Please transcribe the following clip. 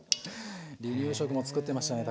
離乳食も作ってましたね